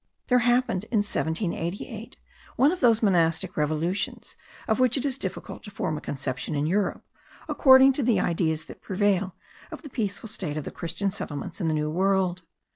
There happened in 1788 one of those monastic revolutions, of which it is difficult to form a conception in Europe, according to the ideas that prevail of the peaceful state of the Christian settlements in the New World.